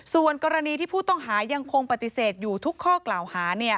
ส่วนกรณีที่ผู้ต้องหายังคงปฏิเสธอยู่ทุกข้อกล่าวหา